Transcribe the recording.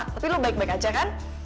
tapi lo baik baik aja kan